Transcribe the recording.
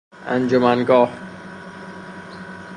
انجمنگاه